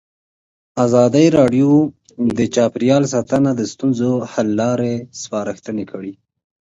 ازادي راډیو د چاپیریال ساتنه د ستونزو حل لارې سپارښتنې کړي.